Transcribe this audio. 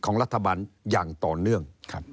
ของรัฐบาลอย่างต่อเนื่อง